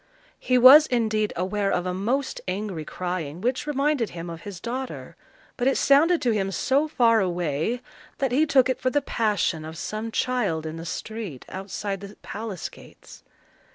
He was indeed aware of a most angry crying, which reminded him of his daughter; but it sounded to him so far away, that he took it for the passion of some child in the street, outside the palace gates.